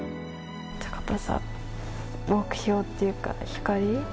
坂田さん、目標っていうか、光。